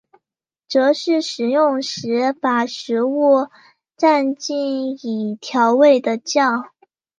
则是食用时把食物蘸进已调味的酱。